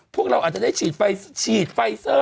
พวกเราอาจจะชีดไฟซอร์